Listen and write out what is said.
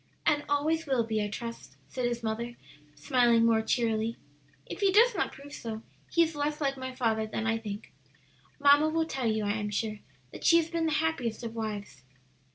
"And always will be, I trust," said his mother, smiling more cheerily. "If he does not prove so, he is less like my father than I think. Mamma will tell you, I am sure, that she has been the happiest of wives."